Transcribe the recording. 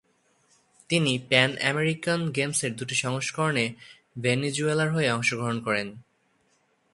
তিনি pan American গেমসের দুটি সংস্করণে ভেনেজুয়েলার হয়ে অংশগ্রহণ করেন।